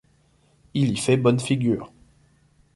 Il y fait bonne figure.